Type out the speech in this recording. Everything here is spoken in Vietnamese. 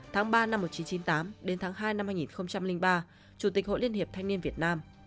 tháng ba năm một nghìn chín trăm chín mươi tám đến tháng hai năm hai nghìn ba chủ tịch hội liên hiệp thanh niên việt nam